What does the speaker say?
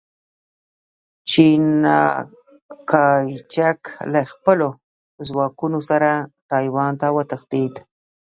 چیانکایچک له خپلو ځواکونو سره ټایوان ته وتښتېد.